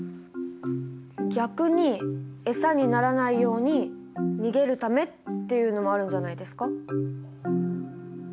逆にエサにならないように逃げるためっていうのもあるんじゃないですか？